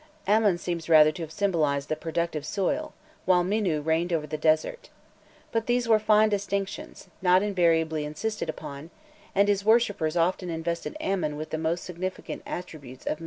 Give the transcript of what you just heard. Amon seems rather to have symbolized the productive soil, while Mînû reigned over the desert. But these were fine distinctions, not invariably insisted upon, and his worshippers often invested Amon with the most significant attributes of Mînû.